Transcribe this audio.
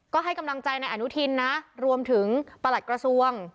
ก็ให้กำลังใจนายอนุทินนะรวมถึงประหลัดกระทรวง